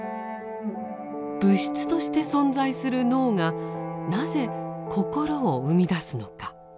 物質として存在する脳がなぜ心を生み出すのか。